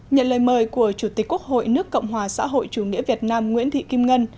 nhận lời mời của chủ tịch quốc hội nước cộng hòa xã hội chủ nghĩa việt nam nguyễn thị kim ngân